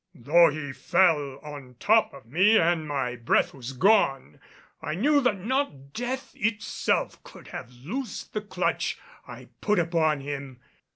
Though he fell on top of me and my breath was gone, I knew that not death itself could have loosed the clutch I put upon him.